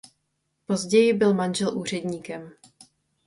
Později byl manžel úředníkem.